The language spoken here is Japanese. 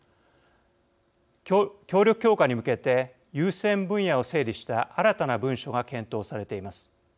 協力強化に向けて優先分野を整理した新たな文書が検討されています。